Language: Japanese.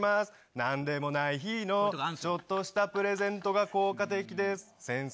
なんでもない日のちょっとしたプレゼントが効果的です。